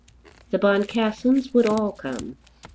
The Boncassens would all come.